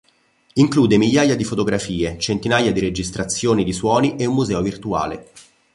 Include migliaia di fotografie, centinaia di registrazioni di suoni e un museo virtuale.